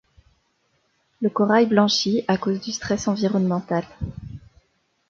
Le corail blanchit à cause du stress environnemental.